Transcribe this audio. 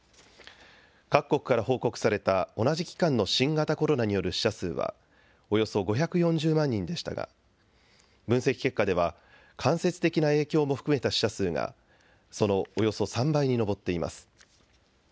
各国から報告された同じ期間の新型コロナによる死者数はおよそ５４０万人でしたが分析結果では間接的な影響も含めた死者数がそのおよそ３倍に上っています。